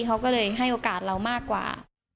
เขาก็เลยให้โอกาสเรามากกว่า